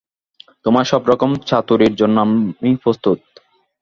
তোমার সব রকম চাতুরীর জন্যই আমি প্রস্তুত।